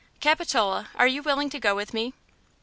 "Capitola, are you willing to go with me?"